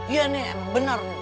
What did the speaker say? iya nek benar rum